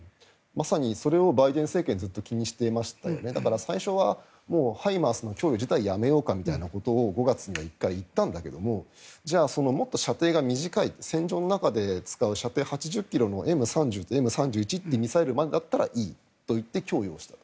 まさにそれをバイデン政権は気にしていまして最初はＨＩＭＡＲＳの供与自体をやめようかってことを５月には１回言ったんだけどもっと射程が短い戦場の中で使う射程８０のＭ３０、Ｍ３１のミサイルまでだったらいいと言って供与した。